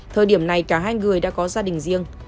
thời điểm này cả hai người đã có gia đình riêng